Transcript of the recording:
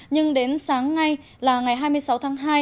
nhưng đến sáng nay là ngày hai mươi sáu tháng hai